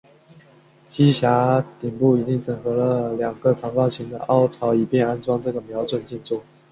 机匣顶部已经整合了两个长方形的凹槽以便安装这个瞄准镜座。